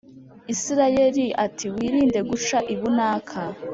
Isirayeli ati wirinde guca ibunaka